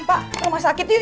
pak rumah sakit yuk